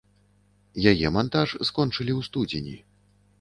Яе мантаж скончылі ў студзені.